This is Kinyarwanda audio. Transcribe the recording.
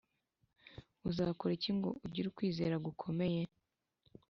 Uzakora iki ngo ugire ukwizera gukomeye